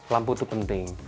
lampu itu penting